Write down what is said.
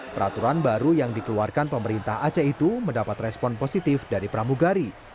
peraturan baru yang dikeluarkan pemerintah aceh itu mendapat respon positif dari pramugari